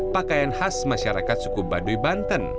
pakaian khas masyarakat suku baduy banten